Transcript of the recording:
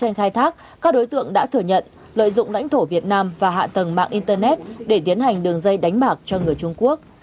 trong khai thác các đối tượng đã thừa nhận lợi dụng lãnh thổ việt nam và hạ tầng mạng internet để tiến hành đường dây đánh bạc cho người trung quốc